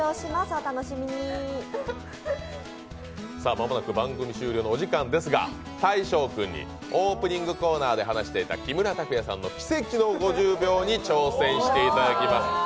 間もなく番組終了のお時間ですが大昇君にオープニングコーナーで話していた木村拓哉さんの奇跡の５０秒に挑戦していただきます。